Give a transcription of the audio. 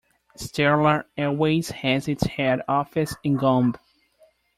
Stellar Airways has its head office in Gombe.